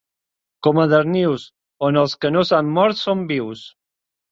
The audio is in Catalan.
Com a Darnius, on els que no s'han mort són vius.